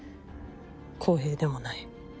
公平でもない。